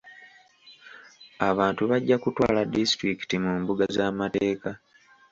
Abantu bajja kutwala disitulikiti mu mbuga z'amateeka.